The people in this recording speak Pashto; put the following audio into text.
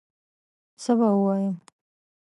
څه به ووایم